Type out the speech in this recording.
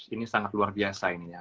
ini sangat luar biasa ini ya